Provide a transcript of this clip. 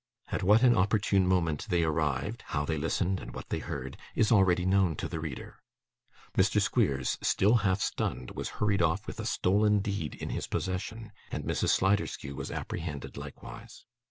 At what an opportune moment they arrived, how they listened, and what they heard, is already known to the reader. Mr Squeers, still half stunned, was hurried off with a stolen deed in his possession, and Mrs. Sliderskew was apprehended likewise.